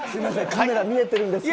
カメラ見えてるんですけど。